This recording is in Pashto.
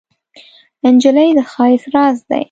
نجلۍ د ښایست راز ده.